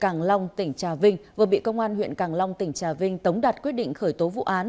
cảm long tỉnh trà vinh vừa bị công an huyện cảm long tỉnh trà vinh tống đặt quyết định khởi tố vụ án